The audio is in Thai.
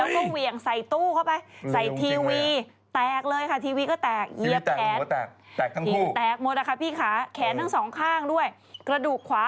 เม่นบิดเลยแขนหักค่ะ